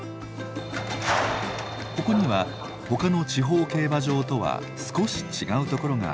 ここには他の地方競馬場とは少し違うところがあります。